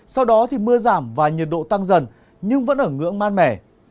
sau đó thì mưa giảm và nhiệt độ tăng dần nhưng vẫn ở ngưỡng mát mẻ